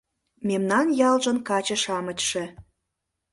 Мемнан ялжын каче-шамычше